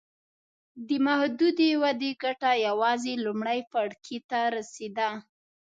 دې محدودې ودې ګټه یوازې لومړي پاړکي ته رسېده.